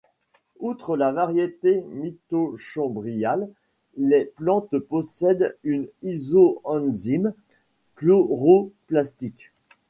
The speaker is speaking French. Outre la variété mitochondriale, les plantes possèdent une isoenzyme chloroplastique.